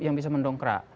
yang bisa mendongkrak